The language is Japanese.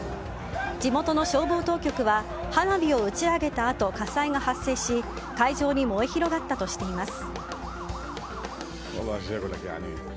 地元の消防当局は花火を打ち上げたあと火災が発生し会場に燃え広がったとしています。